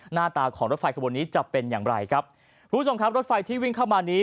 หน้าตาของรถไฟขบวนนี้จะเป็นอย่างไรครับคุณผู้ชมครับรถไฟที่วิ่งเข้ามานี้